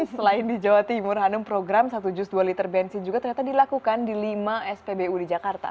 selain di jawa timur hanum program satu jus dua liter bensin juga ternyata dilakukan di lima spbu di jakarta